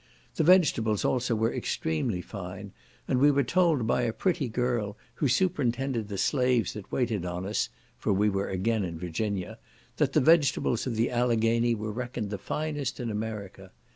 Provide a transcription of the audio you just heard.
The vegetables also were extremely fine, and we were told by a pretty girl, who superintended the slaves that waited on us, (for we were again in Virginia), that the vegetables of the Alleghany were reckoned the finest in America.